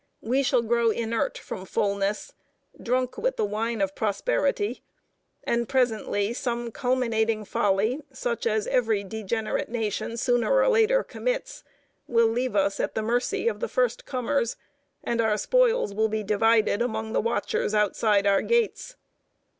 We shall grow inert from fullness, drunk with the wine of prosperity, and presently some culminating folly, such as every degenerate nation sooner or later commits, will leave us at the mercy of the first comers, and our spoils will be divided among the watchers outside our gates.